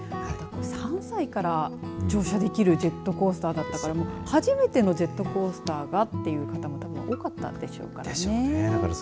３歳から乗車できるジェットコースターだったから初めてのジェットコースターがという方もたぶん多かったでしょうからね。